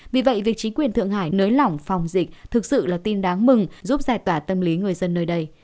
vì vậy việc chính quyền thượng hải nới lỏng phòng dịch thực sự là tin đáng mừng giúp giải tỏa tâm lý người dân nơi đây